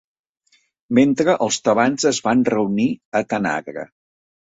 Mentre els tebans es van reunir a Tanagra.